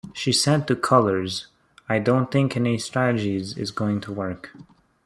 She said to Colors I don't think any strategy is going to work.